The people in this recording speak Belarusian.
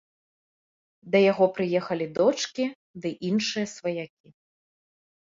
Да яго прыехалі дочкі ды іншыя сваякі.